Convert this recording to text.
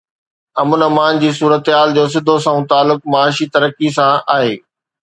امن امان جي صورتحال جو سڌو سنئون تعلق معاشي ترقي سان آهي